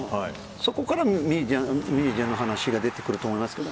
そこからメディアの話が出てくると思いますけど。